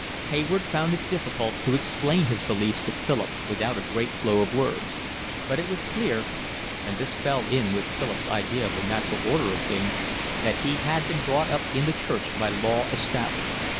Hayward found it difficult to explain his beliefs to Philip without a great flow of words; but it was clear (and this fell in with Philip's idea of the natural order of things), that he had been brought up in the church by law established.